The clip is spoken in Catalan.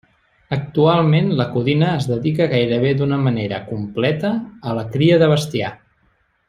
Actualment la Codina es dedica gairebé d'una manera completa a la cria de bestiar.